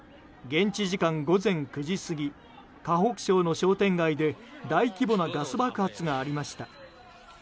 現地時間午前９時過ぎ河北省の商店街で大規模なガス爆発がありました。